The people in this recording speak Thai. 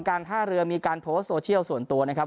การท่าเรือมีการโพสต์โซเชียลส่วนตัวนะครับ